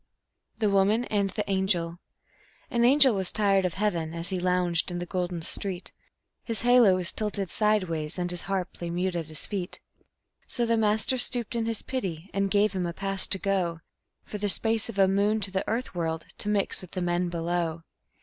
The Woman and the Angel An angel was tired of heaven, as he lounged in the golden street; His halo was tilted sideways, and his harp lay mute at his feet; So the Master stooped in His pity, and gave him a pass to go, For the space of a moon, to the earth world, to mix with the men below.